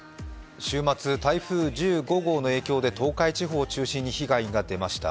週末、台風１５号の影響で東海地方を中心に被害が出ました。